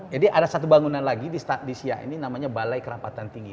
jadi ada satu bangunan lagi di siak ini namanya balai kerapatan tinggi